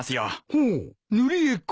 ほう塗り絵か。